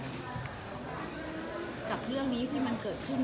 เล่าเรื่องนี้มันเกิดขึ้น